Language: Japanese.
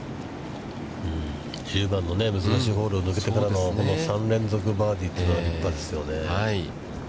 １０番の難しいホールを抜けてからのこの３連続バーディーというのは立派ですよね。